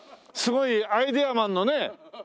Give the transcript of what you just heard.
すごいアイデアマンのね。